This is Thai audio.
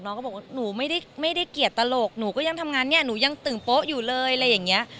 น้องก็บอกว่าหนูไม่ได้เกลียดตลกหนูก็ยังทำงานเนี่ยหนูยังตึ่งโป๊ะอยู่เลย